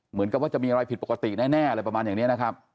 เหมือนกับว่าจะมีอะไรผิดปกติแน่อะไรประมาณอย่างนี้นะครับ